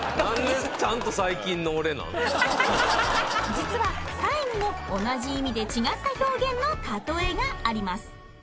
実はタイにも同じ意味で違った表現のたとえがあります！